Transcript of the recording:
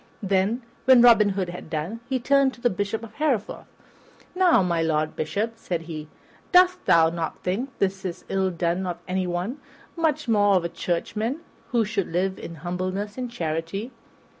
Then, when Robin Hood had done, he turned to the Bishop of Hereford. "Now, my Lord Bishop," said he, "dost thou not think this is ill done of anyone, much more of a churchman, who should live in humbleness and charity?"